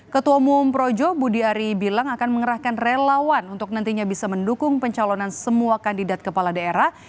ketua umum projo budi ari bilang akan mengerahkan relawan untuk nantinya bisa mendukung pencalonan semua kandidat kepala daerah